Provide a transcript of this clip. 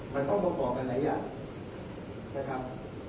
มันต้องประกอบกันหลายอย่างนะครับ